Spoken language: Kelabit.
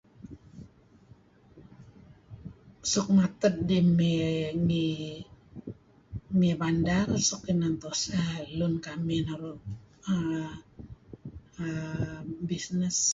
Suk ngated ngi ngi bandar suk inan boss lun kamih naru' uhm business.